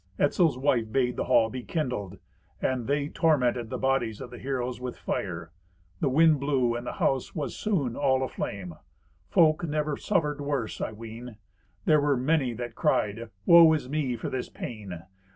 Etzel's wife bade the hall be kindled, and they tormented the bodies of the heroes with fire. The wind blew, and the house was soon all aflame. Folk never suffered worse, I ween. There were many that cried, "Woe is me for this pain!